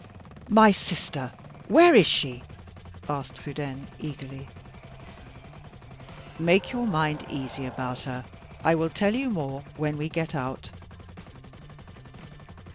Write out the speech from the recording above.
"My sister! where is she?" asked Trudaine, eagerly. "Make your mind easy about her. I will tell you more when we get out."